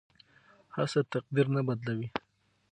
هڅه تقدیر نه بدلوي.